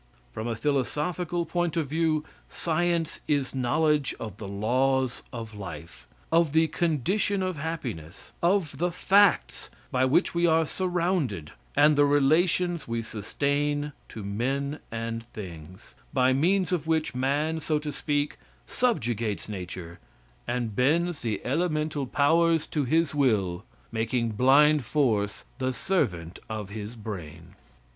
From a philosophical point of view, science is knowledge of the laws of life; of the condition of happiness; of the facts by which we are surrounded, and the relations we sustain to men and things by means of which man, so to speak, subjugates nature and bends the elemental powers to his will, making blind force the servant of his brain.